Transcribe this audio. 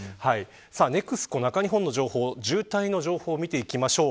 ＮＥＸＣＯ中日本の情報渋滞の情報、見ていきましょう。